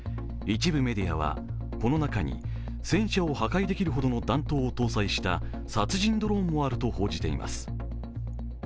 一部メディアは、この中に戦車を破壊できるほどの弾頭を搭載した殺人ドローンもあると報じています。